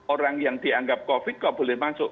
orang yang dianggap covid kok boleh masuk